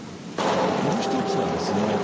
もう一つはですね